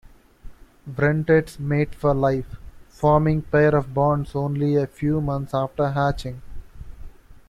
Wrentits mate for life, forming pair bonds only a few months after hatching.